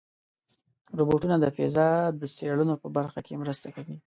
روبوټونه د فضا د څېړنو په برخه کې مرسته کوي.